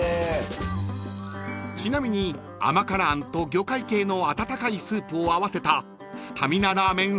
［ちなみに甘辛餡と魚介系の温かいスープを合わせたスタミナラーメン